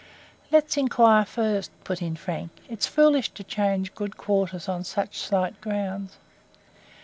"Let's inquire first," put in Frank; "it's foolish to change good quarters on such slight grounds."